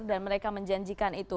dan mereka menjanjikan itu